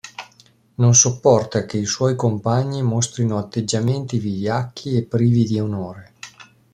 Non sopporta che i suoi compagni mostrino atteggiamenti vigliacchi e privi di onore.